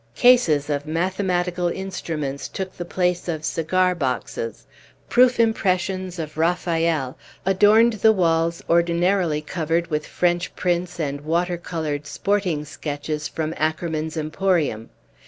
Cases of mathematical instruments took the place of cigar boxes; proof impressions of Raphael adorned the walls ordinarily covered with French prints, and water colored sporting sketches from Ackermann's emporium.